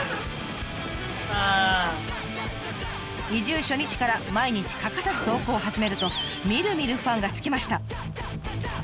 移住初日から毎日欠かさず投稿を始めるとみるみるファンがつきました。